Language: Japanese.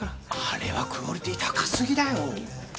あれはクオリティー高すぎだよ。